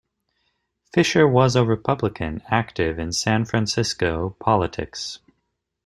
Fisher was a Republican, active in San Francisco politics.